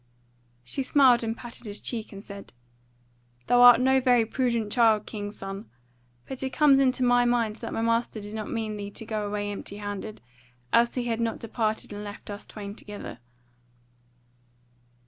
She smiled and patted his cheek, and said: "Thou art no very prudent child, king's son. But it comes into my mind that my master did not mean thee to go away empty handed; else had he not departed and left us twain together."